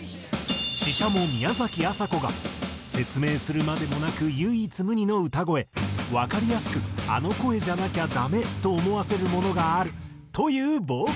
ＳＨＩＳＨＡＭＯ宮崎朝子が説明するまでもなく唯一無二の歌声わかりやすくあの声じゃなきゃダメと思わせるものがあるというボーカリスト。